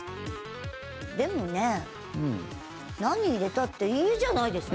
でもね、何入れたっていいじゃないですか。